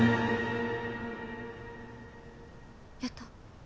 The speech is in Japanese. やった。